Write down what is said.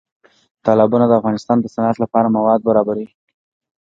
تالابونه د افغانستان د صنعت لپاره مواد برابروي.